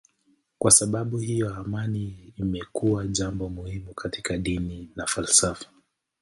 Kwa sababu hiyo amani imekuwa jambo muhimu katika dini na falsafa.